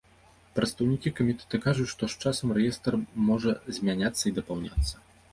Прадстаўнікі камітэта кажуць, што з часам рэестр можа змяняцца і дапаўняцца.